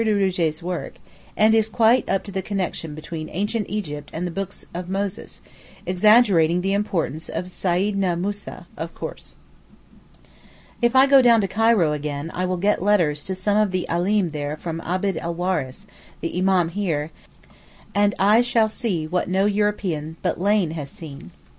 de Rougé's work, and is quite up to the connection between Ancient Egypt and the books of Moses, exaggerating the importance of Seyidna Moussa, of course. If I go down to Cairo again I will get letters to some of the Alim there from Abd el Waris, the Imam here, and I shall see what no European but Lane has seen.